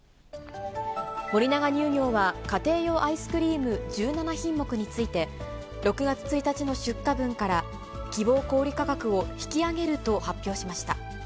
森永乳業は、家庭用アイスクリーム１７品目について、６月１日の出荷分から希望小売り価格を引き上げると発表しました。